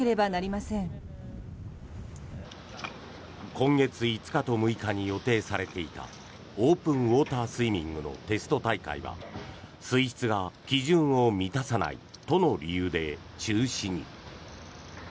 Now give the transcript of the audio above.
今月５日と６日に予定されていたオープンウォータースイミングのテスト大会は水質が基準を満たさないとの理由で中止に。